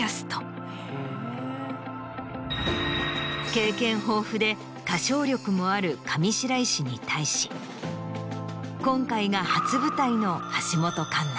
経験豊富で歌唱力もある上白石に対し今回が初舞台の橋本環奈。